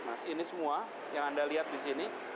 mas ini semua yang anda lihat di sini